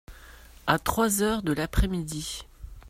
À trois heures de l’après-midi.